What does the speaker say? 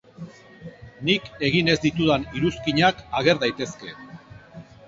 Nik egin ez ditudan iruzkinak ager daitezke.